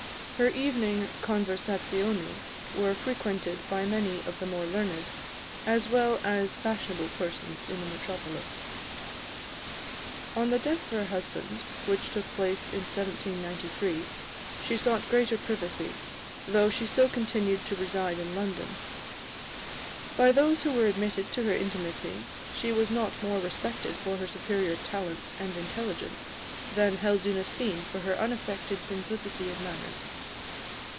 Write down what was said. Her evening conversazioni were frequented by many of the more learned, as well as fashionable persons in the metropolis. On the death of her husband, which took place in 1793, she sought greater privacy, though she still continued to reside in London. By those who were admitted to her intimacy, she was not more respected for her superior talents and intelligence, than held in esteem for her unaffected simplicity of manners.